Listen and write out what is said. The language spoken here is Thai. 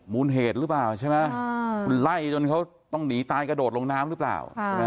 เหตุหรือเปล่าใช่ไหมคุณไล่จนเขาต้องหนีตายกระโดดลงน้ำหรือเปล่า